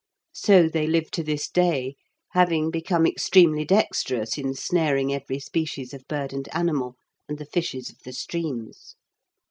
So they live to this day, having become extremely dexterous in snaring every species of bird and animal, and the fishes of the streams.